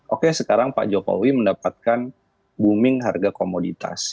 oke sekarang pak jokowi mendapatkan booming harga komoditas